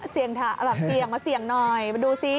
เสี่ยงมาเสี่ยงหน่อยมาดูสิ